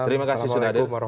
terima kasih sudah hadir